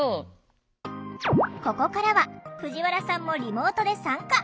ここからは藤原さんもリモートで参加。